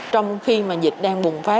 trong khi mà dịch đang bùng chạy